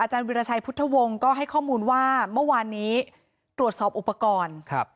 วิราชัยพุทธวงศ์ก็ให้ข้อมูลว่าเมื่อวานนี้ตรวจสอบอุปกรณ์ครับ